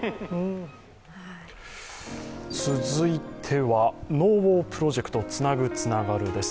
続いては、「ＮＯＷＡＲプロジェクトつなぐ、つながる」です。